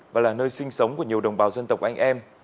và là nơi sinh sống của nhiều đồng bào dân tộc anh em